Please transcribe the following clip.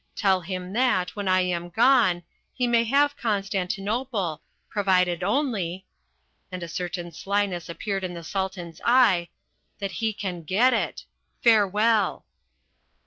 Tell him that, when I am gone, he may have Constantinople, provided only" and a certain slyness appeared in the Sultan's eye "that he can get it. Farewell."